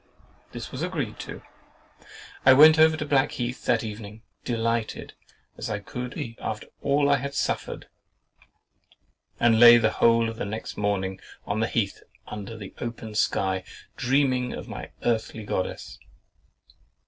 —This was agreed to. I went over to Blackheath that evening, delighted as I could be after all I had suffered, and lay the whole of the next morning on the heath under the open sky, dreaming of my earthly Goddess.